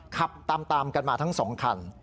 ขับตามกันมาทั้ง๒คัน